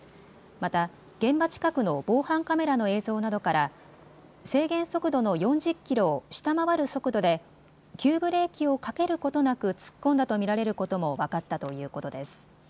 また、現場近くの防犯カメラの映像などから制限速度の４０キロを下回る速度で急ブレーキをかけることなく突っ込んだと見られることも分かったということです。